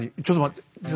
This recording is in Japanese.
ちょっと待って。